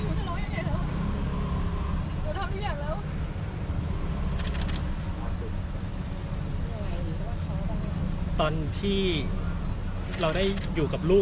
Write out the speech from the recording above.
ไม่ใช่นี่คือบ้านของคนที่เคยดื่มอยู่หรือเปล่า